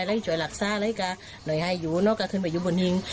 แล้วจะรักษาแล้วจะหน่อยให้อยู่แล้วก็ขึ้นไปอยู่บนหิง